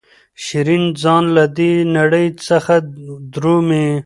شیرین ځان له دې نړۍ څخه درومي.